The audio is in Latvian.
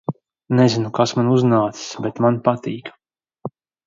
Nezinu, kas man uznācis, bet man patīk!